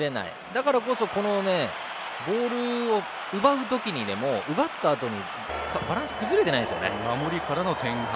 だからこそ、ボールを奪う時も奪ったあとにバランス崩れていないんですよね。